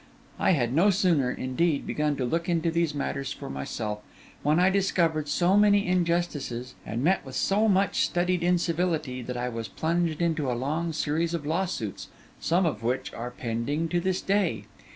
I had no sooner, indeed, begun to look into these matters for myself, than I discovered so many injustices and met with so much studied incivility, that I was plunged into a long series of lawsuits, some of which are pending to this day.